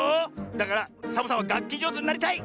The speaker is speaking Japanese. だからサボさんはがっきじょうずになりたい！